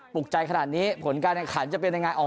ปฏิใจขนาดนี้ผลการทางขันจะเป็นไง